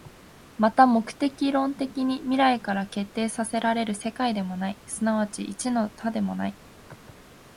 また目的論的に未来から決定せられる世界でもない、即ち一の多でもない。